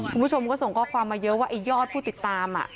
คุณผู้ชมก็ส่งข้อความมาเยอะว่าไอ้ยอดผู้ติดตาม